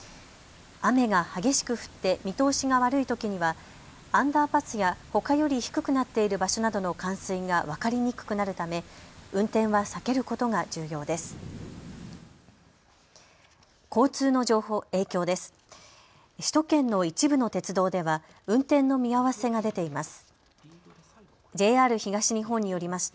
雨が激しく降って見通しが悪いときにはアンダーパスやほかより低くなっている場所などの冠水が分かりにくくなるため運転は避けることが重要です。